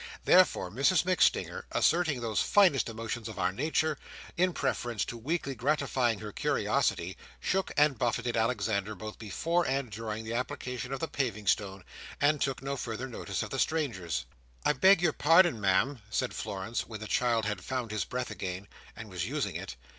Therefore, Mrs MacStinger asserting those finest emotions of our nature, in preference to weakly gratifying her curiosity, shook and buffeted Alexander both before and during the application of the paving stone, and took no further notice of the strangers. "I beg your pardon, Ma'am," said Florence, when the child had found his breath again, and was using it.